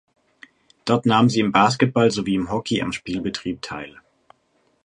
Dort nahm sie im Basketball sowie im Hockey am Spielbetrieb teil.